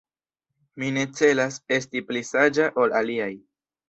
Mi ne celas esti pli saĝa ol aliaj.